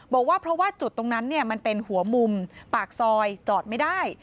บอกว่าเพราะว่าจุดตรงนั้นมันเป็นหัวมุมปากซอยจอดไม่ได้